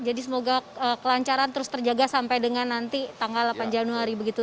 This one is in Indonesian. jadi semoga kelancaran terus terjaga sampai dengan nanti tanggal delapan januari begitu